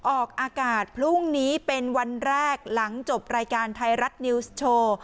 ออกอากาศพรุ่งนี้เป็นวันแรกหลังจบรายการไทยรัฐนิวส์โชว์